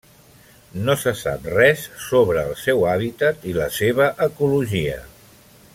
No se sap res sobre el seu hàbitat i la seva ecologia.